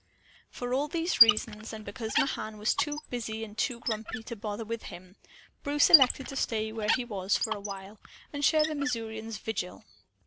For all these reasons and because Mahan was too busy and too grumpy to bother with him Bruce elected to stay where he was, for a while, and share the Missourian's vigil.